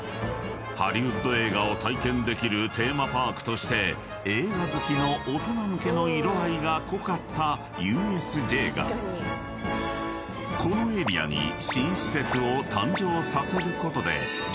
［ハリウッド映画を体験できるテーマパークとして映画好きの大人向けの色合いが濃かったＵＳＪがこのエリアに新施設を誕生させることで劇的に変化！